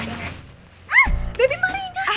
hah baby marina